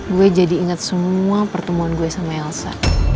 gue jadi ingat semua pertemuan gue sama elsa